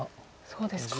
そうですか。